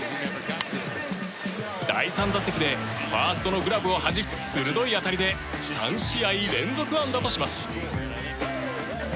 第３打席でファーストのグラブをはじく鋭い当たりで３試合連続安打とします。